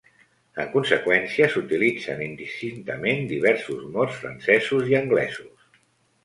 En conseqüència, s'utilitzen indistintament diversos mots francesos i anglesos.